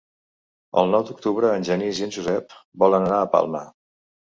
El nou d'octubre en Genís i en Josep volen anar a Palma.